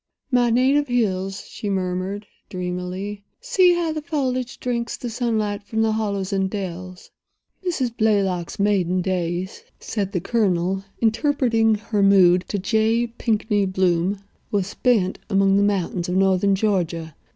"My native hills!" she murmured, dreamily. "See how the foliage drinks the sunlight from the hollows and dells." "Mrs. Blaylock's maiden days," said the Colonel, interpreting her mood to J. Pinkney Bloom, "were spent among the mountains of northern Georgia.